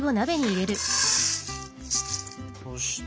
そして。